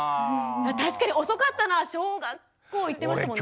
確かに遅かったな小学校行ってましたもんね。